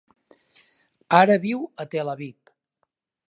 Ara viu a Tel Aviv.